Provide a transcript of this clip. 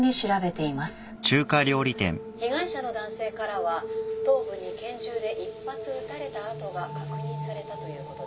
被害者の男性からは頭部に拳銃で１発撃たれた痕が確認されたということです。